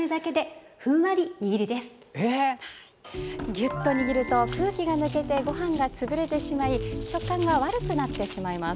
ギュッと握ると空気が抜けてごはんが潰れてしまい食感が悪くなってしまいます。